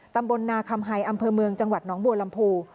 ตำบลนาคำไฮอำเภอเมืองจังหวัดหนองบัวลำพู